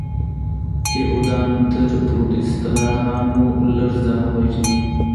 يهودان تر پروتستانانو لږ ځان وژني.